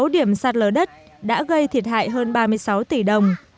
một mươi sáu điểm sát lỡ đất đã gây thiệt hại hơn ba mươi sáu tỷ đồng